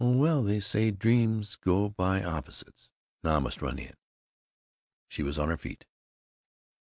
"Oh, well, they say dreams go by opposites! Now I must run in." She was on her feet.